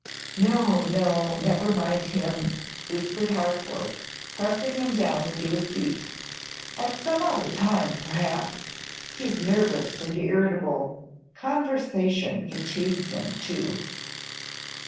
"No, no, never mind him," whispered Harcourt, pressing him down into his seat. "At some other time, perhaps. He is nervous and irritable. Conversation fatigues him, too."